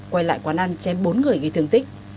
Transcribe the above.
quay lại quán ăn chém bốn người gây thương tích